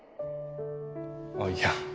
あっいや。